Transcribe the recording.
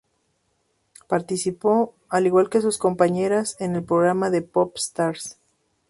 Participó, al igual que sus compañeras, en el programa de "PopStars".